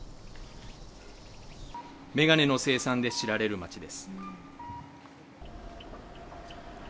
眼鏡の生産で知られる街です。